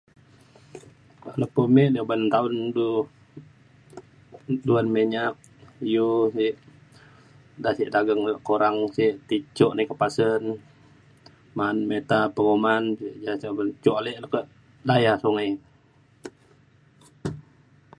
kuak lepo me ni uban taun du juan minyak iu sik da sik dageng kurang sik ti cuk nai ke pasen ma’an mita penguman ja oban jo alek tekak daya sungai